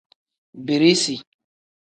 Birisi.